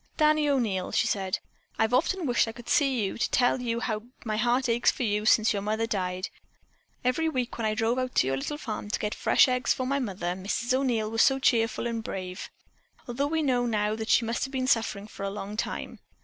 "Danny O'Neil," she said. "I've often wished I could see you to tell you how my heart aches for you since your mother died. Every week, when I drove out to your little farm to get fresh eggs for my mother, Mrs. O'Neil was so cheerful and brave, although we know now that she must have been suffering for a long time.